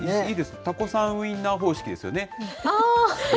タコさんウインナー方式ですよね。